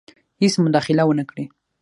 هیڅ مداخله ونه کړي.